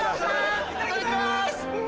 いただきます！